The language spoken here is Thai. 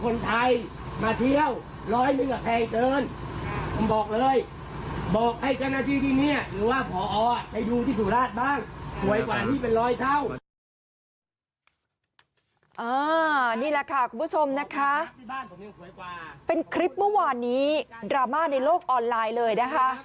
นี่แหละค่ะคุณผู้ชมนะคะเป็นคลิปเมื่อวานนี้ดราม่าในโลกออนไลน์เลยนะคะ